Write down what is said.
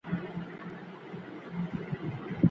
که زده کوونکو ته د خبرو وخت ورکړل سي نو خوشحالیږي.